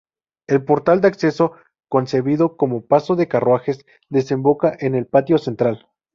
El portal de acceso, concebido como paso de carruajes, desemboca en el patio central.